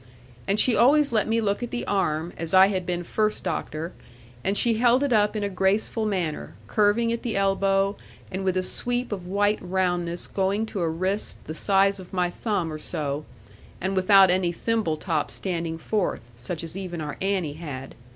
And she always let me look at the arm, as I had been first doctor; and she held it up in a graceful manner, curving at the elbow, and with a sweep of white roundness going to a wrist the size of my thumb or so, and without any thimble top standing forth, such as even our Annie had.